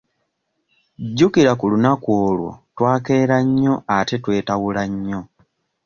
Jjukira ku lunaku olwo twakeera nnyo ate twetawula nnyo.